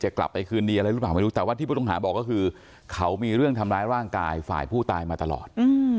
กลับไปคืนดีอะไรหรือเปล่าไม่รู้แต่ว่าที่ผู้ต้องหาบอกก็คือเขามีเรื่องทำร้ายร่างกายฝ่ายผู้ตายมาตลอด